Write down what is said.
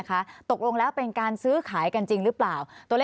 เอาไปแกเป็นคนพาไปบ้านนอก